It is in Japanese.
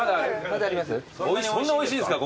そんなおいしいんすか？